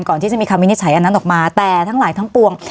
ก่อนที่จะมีคำวินิจฉัยอันนั้นออกมาแต่ทั้งหลายทั้งปวง